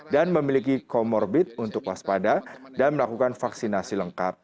dan memiliki kormorbit untuk waspada dan melakukan vaksinasi lengkap